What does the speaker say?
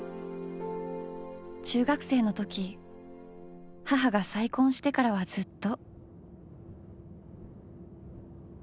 中学生の時母が再婚してからはずっと。